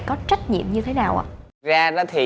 có trách nhiệm như thế nào ạ